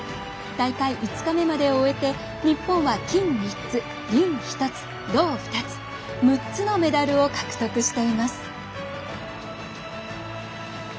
大会５日目までを終えて日本は金３つ、銀１つ、銅２つ６つのメダルを獲得しています。